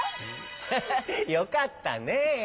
ハハよかったね。